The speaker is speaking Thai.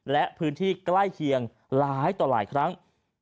และพื้นที่ใกล้เคียงหลายต่อหลายครั้ง